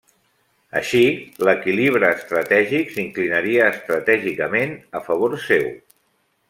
Així, l'equilibri estratègic s'inclinaria estratègicament a favor seu.